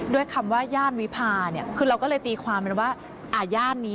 คำว่าย่านวิพาเนี่ยคือเราก็เลยตีความเป็นว่าย่านนี้